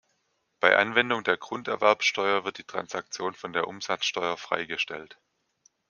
Bei Anwendung der Grunderwerbsteuer wird die Transaktion von der Umsatzsteuer freigestellt.